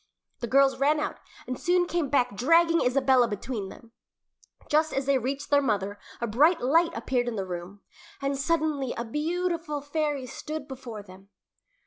The girls ran out, and soon came back dragging Isabella between them. Just as they reached their mother a bright light appeared in the room, and suddenly a beautiful fairy stood before them.